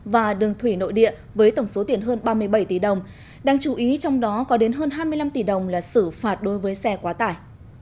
và đường thủy nội địa với tổng số tiền hơn ba mươi bảy tỷ đồng đang chú ý trong đó có đến hơn hai mươi năm tỷ đồng là xử phạt đối với xe quá tải